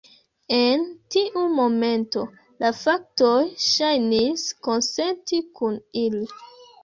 En tiu momento, la faktoj ŝajnis konsenti kun ili.